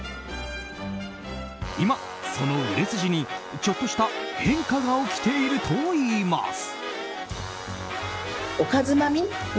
今、その売れ筋にちょっとした変化が起きているといいます。